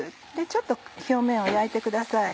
ちょっと表面を焼いてください。